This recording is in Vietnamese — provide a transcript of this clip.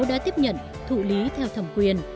đã tiếp nhận thụ lý theo thẩm quyền